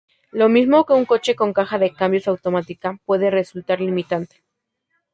Lo mismo que un coche con caja de cambios automática, puede resultar limitante.